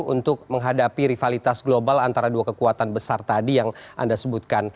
untuk menghadapi rivalitas global antara dua kekuatan besar tadi yang anda sebutkan